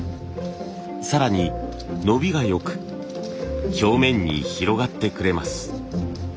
更に伸びがよく表面に広がってくれます。